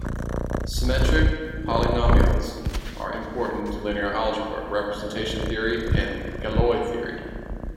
Symmetric polynomials are important to linear algebra, representation theory, and Galois theory.